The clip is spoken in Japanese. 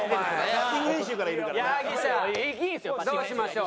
矢作舎どうしましょう？